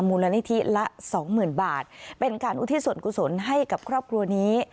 มูลนิธิละ๒๐๐๐๐บาทเป็นการอุธิศสนกุศลให้กับครอบครัวนี้